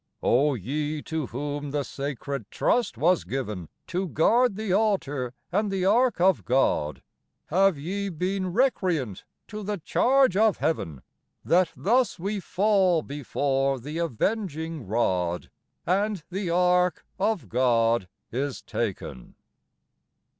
O ye to whom the sacred trust was given To guard the altar and the ark of God, Have ye been recreant to the charge of heaven, That thus we fall before the avenging rod, And the Ark of God is taken?